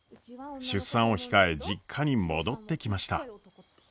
出産を控え実家に戻ってきました。